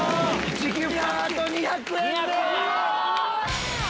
あと２００円で！